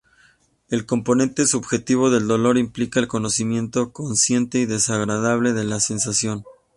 El componente subjetivo del dolor implica el conocimiento consciente y desagradable de la sensación.